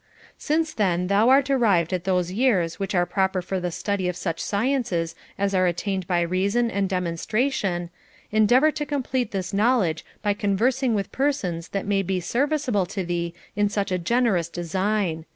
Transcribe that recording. Since then thou art arrived at those years which are proper for the study of such sciences as are attained by reason and demonstration, endeavor to complete this knowledge by conversing with persons that may be ser viceable to thee in such a generous design.